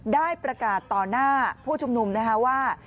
ได้ประกาศต่อหน้าผู้ชุมนุมนะคะว่า